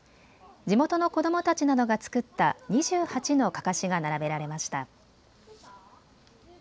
地元の子どもたちなどが作った２８のかかしが並べられました。